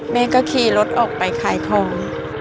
เม้ก็ขี่รถออกไปขายคลอม